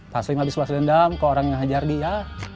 taslim abis abis dendam ke orang yang hajar dia